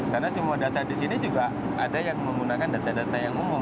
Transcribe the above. karena semua data di sini juga ada yang menggunakan data data yang umum